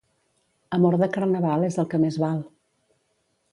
Amor de Carnaval és el que més val.